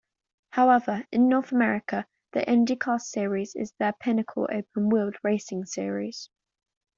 However, in North America, the IndyCar series is their pinnacle open-wheeled racing series.